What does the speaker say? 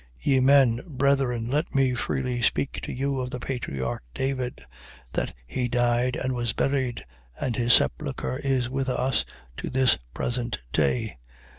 2:29. Ye men, brethren, let me freely speak to you of the patriarch David: that he died and was buried; and his sepulchre is with us to this present say.